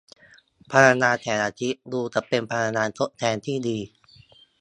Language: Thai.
พลังงานแสงอาทิตย์ดูจะเป็นพลังงานทดแทนที่ดี